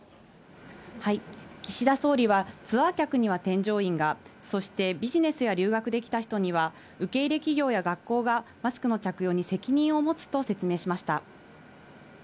岸田総理は、ツアー客には添乗員が、そして、ビジネスや留学で来た人には、受け入れ企業や学校が、マスクの着用に責任を持つと説明しました。